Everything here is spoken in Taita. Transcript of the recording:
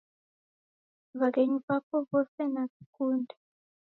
W'aghenyu w'apo w'ose na naw'ikunde